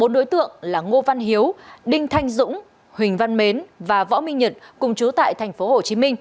bốn đối tượng là ngô văn hiếu đinh thanh dũng huỳnh văn mến và võ minh nhật cùng chú tại tp hcm